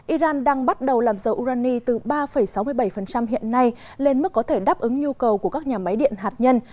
iran đang bắt đầu làm dầu urani từ ba sáu mươi bảy hiện nay lên mức có thể đáp ứng nhu cầu của các nhà máy điện hạt nhân